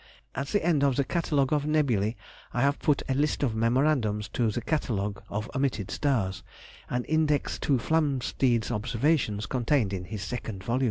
At the end of the Catalogue of Nebulæ I have put a list of memorandums to the catalogue of omitted stars, and index to Flamsteed's Observations, contained in his second vol.